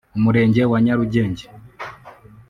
Umurenge wa Nyarugenge